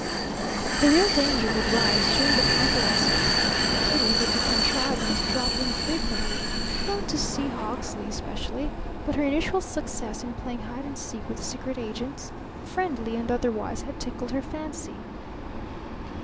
The real danger would rise during the convalescence. Kitty would be contriving to drop in frequently; not to see Hawksley especially, but her initial success in playing hide and seek with secret agents, friendly and otherwise, had tickled her fancy.